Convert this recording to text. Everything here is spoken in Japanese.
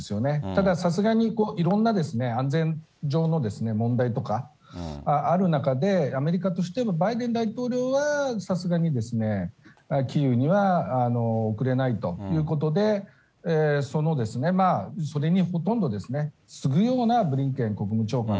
ただ、さすがにいろんな安全上の問題とかある中で、アメリカとしては、バイデン大統領はさすがにキーウには送れないということで、それにほとんど次ぐようなブリンケン国務長官、